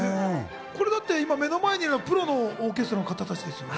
今、目の前にいるの、プロのオーケストラの方たちですよね。